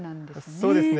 そうですね。